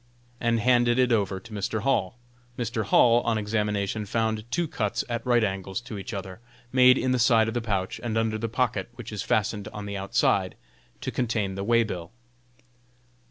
and handed it over to Mr. Hall. Mr. Hall, on examination, found two cuts at right angles to each other, made in the side of the pouch and under the pocket which is fastened on the outside, to contain the way bill.